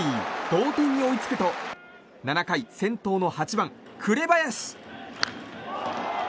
同点に追いつくと７回、先頭の８番、紅林。